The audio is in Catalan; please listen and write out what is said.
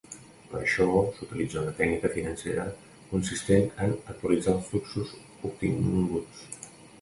Per això s'utilitza una tècnica financera consistent en actualitzar els fluxos obtinguts.